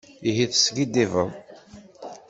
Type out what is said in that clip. Ihi teskiddibeḍ!